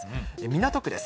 港区です。